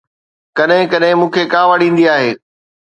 ڪڏهن ڪڏهن مون کي ڪاوڙ ايندي آهي